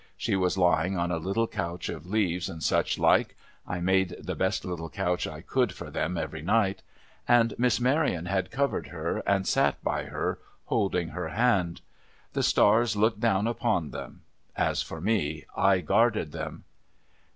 She was lying on a little couch of leaves and suchlike (I made the best little couch I could for them every night), and Miss Maryon had covered her, and sat by her, holding her hand. The stars looked down upon them. As for me, I guarded them.